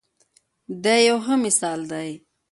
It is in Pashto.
دی یو ښه مثال دی.